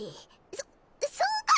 そそうか！